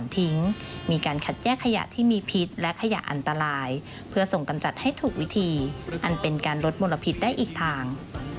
ที่มีพิษและขยะอันตรายเพื่อส่งกำจัดให้ถูกวิธีอันเป็นการลดมลพิษได้อีกทาง